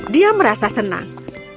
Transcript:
dia merasa senang